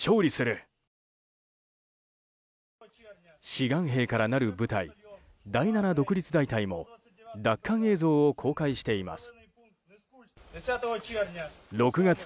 志願兵からなる部隊第７独立大隊も奪還映像を公開しています。